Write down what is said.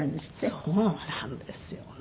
そうなんですよね。